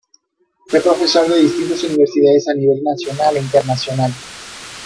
Fue profesor de distintas universidades a nivel nacional e internacional.